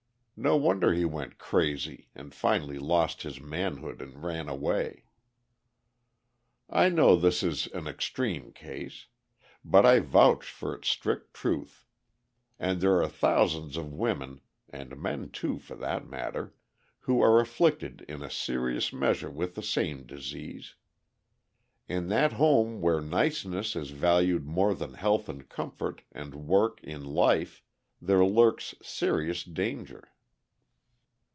No wonder he went crazy, and finally lost his manhood and ran away. I know this is an extreme case. But I vouch for its strict truth. And there are thousands of women (and men too, for that matter) who are afflicted in a serious measure with the same disease. In that home where niceness is valued more than health and comfort and work in life, there lurks serious danger.